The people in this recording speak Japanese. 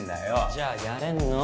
じゃあやれんの？